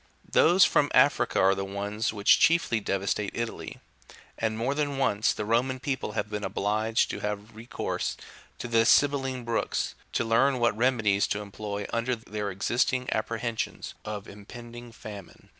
3/ Those from Africa are the ones which chiefly devastate Italy ; and more than once the Roman people have been obliged to have recourse to the Sibylline Books, to learn what remedies to employ under their existing apprehensions of impending famine.